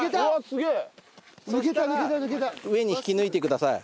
そしたら上に引き抜いてください。